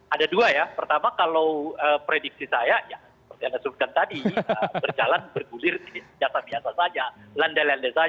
ada dua ya pertama kalau prediksi saya ya seperti anda sebutkan tadi berjalan bergulir biasa biasa saja landai landai saja